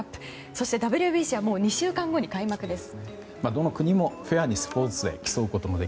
そして、ＷＢＣはもう２週間後に開幕です。